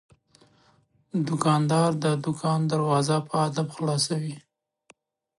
دوکاندار د دوکان دروازه په ادب خلاصوي.